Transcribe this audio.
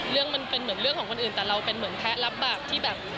เรื่องมันเป็นเหมือนเรื่องของคนอื่นแต่เราเป็นเหมือนแพ้รับบาปที่แบบ